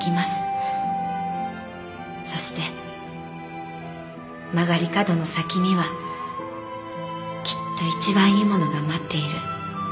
そして曲がり角の先にはきっと一番いいものが待っている。